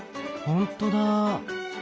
ほんとだ。